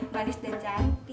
manis dan cantik